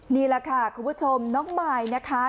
นี่แหละค่ะคุณผู้ชมน้องมายนะคะ